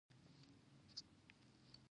بزګر ته د خولې بدله حاصل دی